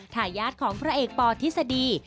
ทายาทของพระเอกปธิษฎี